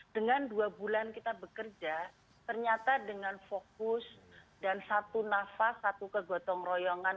dengan dua bulan kita bekerja ternyata dengan fokus dan satu nafas satu kegotong royongan